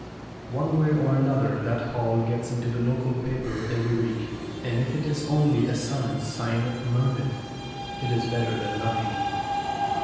One way or another that Hall gets into the local paper every week; and if it is only a sonnet, signed "Mer maid," it is better than nothing.